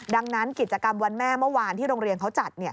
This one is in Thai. ดังนั้นกิจกรรมวันแม่เมื่อวานที่โรงเรียนเขาจัด